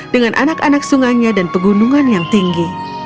dengan anak anak sungainya dan pegunungan yang tinggi